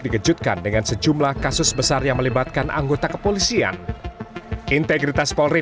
dikejutkan dengan sejumlah kasus besar yang melibatkan anggota kepolisian integritas polri